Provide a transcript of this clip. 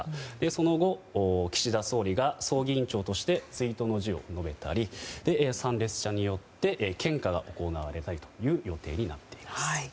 その後、岸田総理が葬儀委員長として追悼の辞を述べたり参列者によって献花が行われたりという予定になっています。